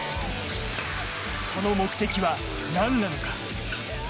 その目的は何なのか？